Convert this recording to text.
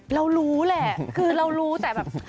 เรารู้แหละคือเรารู้แต่แบบ